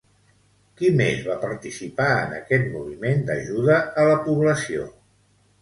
Qui més va participar en aquest moviment d'ajuda a la població?